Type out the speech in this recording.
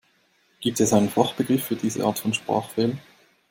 Gibt es einen Fachbegriff für diese Art von Sprachfehler?